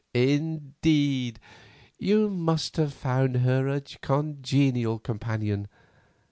"Indeed. You must have found her a congenial companion.